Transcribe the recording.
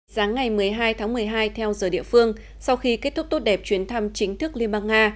sáng ngày một mươi hai tháng một mươi hai theo giờ địa phương sau khi kết thúc tốt đẹp chuyến thăm chính thức liên bang nga